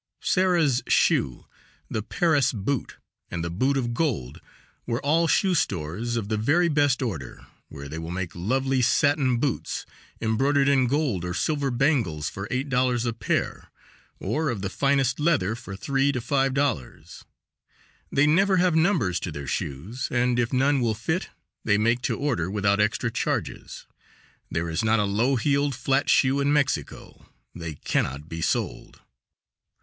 "Sara's Shoe," the "Paris Boot," and the "Boot of Gold," were all shoe stores of the very best order, where they will make lovely satin boots, embroidered in gold or silver bangles for $8 a pair, or of the finest leather for $3 to $5. They never have numbers to their shoes, and if none will fit, they make to order without extra charges. There is not a low heeled, flat shoe in Mexico; they cannot be sold.